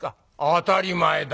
「当たり前だ。